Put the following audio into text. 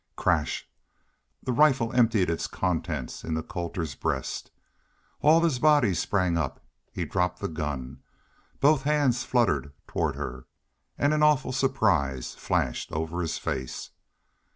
Crash! The rifle emptied its contents in Colter's breast. All his body sprang up. He dropped the gun. Both hands fluttered toward her. And an awful surprise flashed over his face.